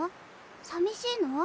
さみしいの？